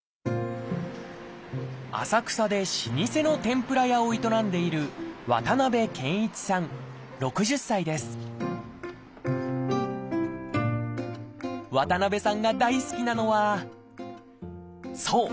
浅草で老舗の天ぷら屋を営んでいる渡さんが大好きなのはそう！